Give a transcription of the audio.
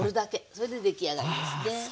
それで出来上がりですね。